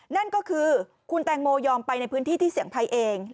นั่นก็คือคุณแตงโมยอมไปในพื้นที่ที่เสี่ยงภัยเอง